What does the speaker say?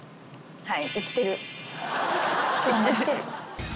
はい。